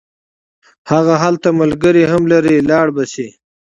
هغه هلته ملګري هم لري لاړ به شي.